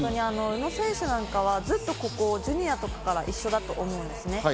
宇野選手なんかは、ずっとジュニアの時から一緒だったと思うんですね。